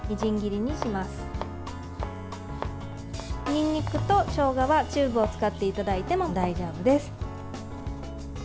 にんにくと、しょうがはチューブを使っていただいても大丈夫です。